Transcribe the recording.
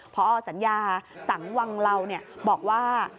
พอสัญญาสังวังเหล่าบอกว่า